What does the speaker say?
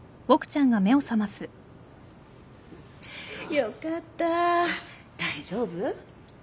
よかった大丈夫？